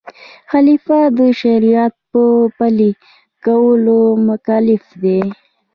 خلیفه د شریعت په پلي کولو مکلف دی.